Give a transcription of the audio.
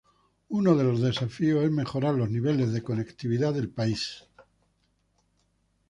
Uno de los desafíos es mejorar los niveles de conectividad del país.